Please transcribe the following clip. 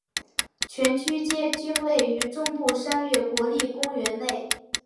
全区间均位于中部山岳国立公园内。